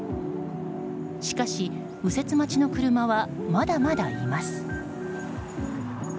しかし、右折待ちの車はまだまだいます。